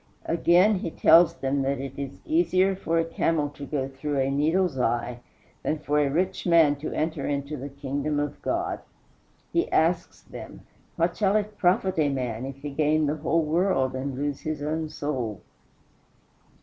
Again, he tells them that it is easier for a camel to go through a needle's eye than for a rich man to enter into the kingdom of God. He asks them, What shall it profit a man if he gain the whole world and lose his own soul?